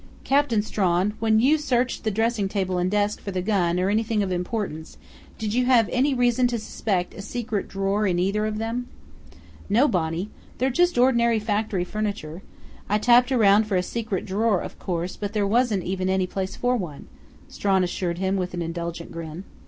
"Captain Strawn, when you searched the dressing table and desk for the gun or anything of importance, did you have any reason to suspect a secret drawer in either of them?" "No, Bonnie. They're just ordinary factory furniture. I tapped around for a secret drawer, of course, but there wasn't even any place for one," Strawn assured him with an indulgent grin.